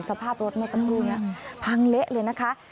สภาพรถมาซักครู่พังเละเลยนะคะ